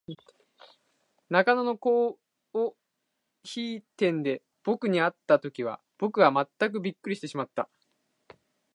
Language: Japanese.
中野のコオヒイ店で、ぼくに会った時には、ぼくはまったくびっくりしてしまった。